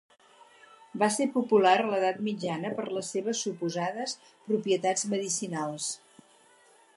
Va ser popular a l"Edat Mitjana per les seves suposades propietats medicinals.